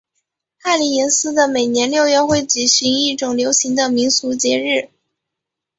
帕林廷斯的每年六月会举行一种流行的民俗节日。